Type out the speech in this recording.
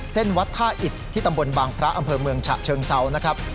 วัดท่าอิดที่ตำบลบางพระอำเภอเมืองฉะเชิงเซานะครับ